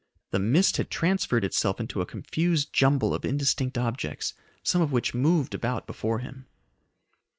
The mist had transferred itself into a confused jumble of indistinct objects, some of which moved about before him.